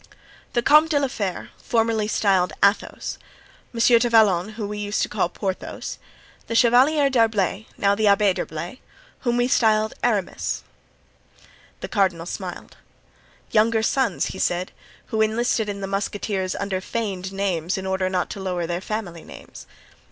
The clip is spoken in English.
"The Count de la Fere, formerly styled Athos; Monsieur du Vallon, whom we used to call Porthos; the Chevalier d'Herblay, now the Abbé d'Herblay, whom we styled Aramis——" The cardinal smiled. "Younger sons," he said, "who enlisted in the musketeers under feigned names in order not to lower their family names.